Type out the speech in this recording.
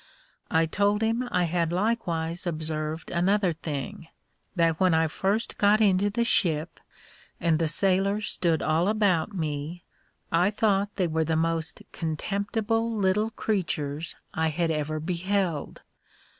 I told him I had likewise observed another thing, that when I first got into the ship, and the sailors stood all about me, I thought they were the most contemptible little creatures I had ever beheld.